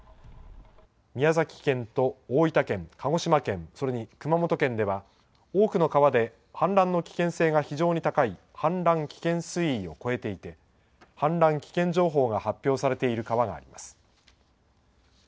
宮崎県と大分県、鹿児島県、それに熊本県では多くの川で氾濫の危険性が非常に高い氾濫危険水位を超えていて、氾濫危険情報が発表されている川があります。